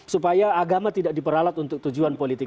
supaya agama tidak diperalat untuk tujuan politik